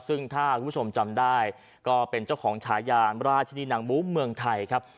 ซึ่งถ้าคุณผู้ชมจำได้ก็เป็นเจ้าของฉายานราชินีนางบูเมืองไทยครับ